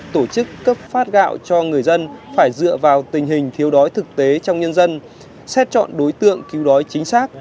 tổ chức cấp phát gạo cho người dân phải dựa vào tình hình thiếu đói thực tế trong nhân dân xét chọn đối tượng cứu đói chính xác